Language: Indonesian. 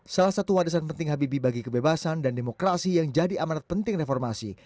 salah satu wadasan penting habibie bagi kebebasan dan demokrasi yang jadi amanat penting reformasi